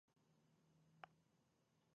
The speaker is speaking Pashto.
ټولو خلکو کړی بې صبري ده